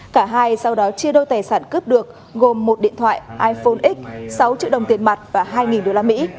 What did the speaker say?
cả hai sau đó chia đôi tài sản cướp được gồm một điện thoại iphone x sáu triệu đồng tiền mặt và hai usd